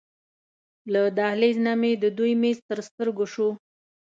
له دهلېز نه مې د دوی میز تر سترګو شو.